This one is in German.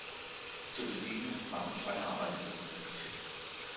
Zur Bedienung waren zwei Arbeiter notwendig.